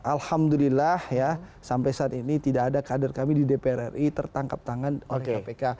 alhamdulillah ya sampai saat ini tidak ada kader kami di dpr ri tertangkap tangan oleh kpk